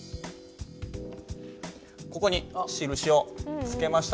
ここに印を付けました。